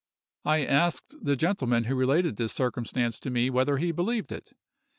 I asked the gentleman who related this circumstance to me whether he believed it.